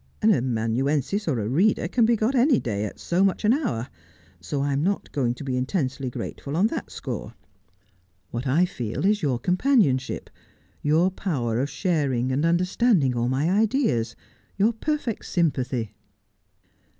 An amanuensis or a reader can be got any day at so much an hour ; so I am not going to be intensely grateful on that score. What I feel is your companionship, your power of sharing and understanding all my ideas, your perfect sympathy.'